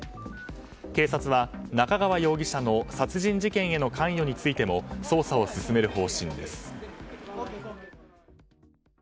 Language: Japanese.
警察は、中川容疑者の殺人事件の関与についても捜査を進める方針です。